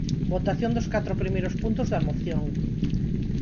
Votación dos catro primeiros puntos da Moción.